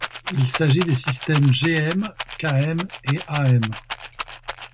Il s'agit des systèmes Gm, Km et Am.